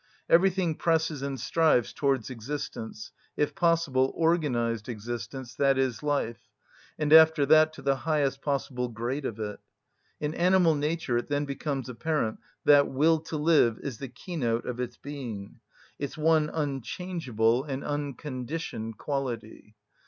Everything presses and strives towards existence, if possible organised existence, i.e., life, and after that to the highest possible grade of it. In animal nature it then becomes apparent that will to live is the keynote of its being, its one unchangeable and unconditioned quality.